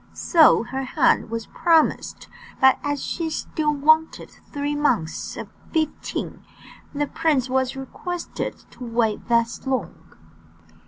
So her hand was promised, but as she still wanted three months of fifteen, the prince was requested to wait thus long.